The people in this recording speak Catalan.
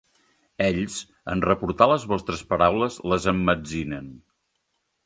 Ells, en reportar les vostres paraules, les emmetzinen!